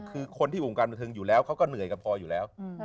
คือคนที่วงการบันเทิงอยู่แล้วเขาก็เหนื่อยกับพออยู่แล้ว